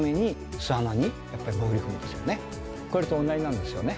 これと同じなんですよね。